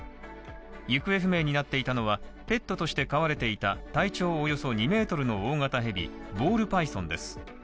行方不明になっていたのは、ペットとして飼われていた体長およそ２ｍの大型ヘビボールパイソンです。